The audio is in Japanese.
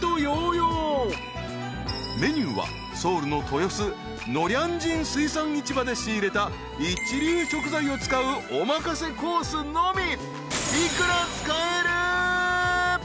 ［メニューはソウルの豊洲ノリャンジン水産市場で仕入れた一流食材を使うおまかせコースのみ］